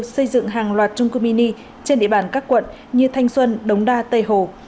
xây dựng hàng loạt trung cư mini trên địa bàn các quận như thanh xuân đống đa tây hồ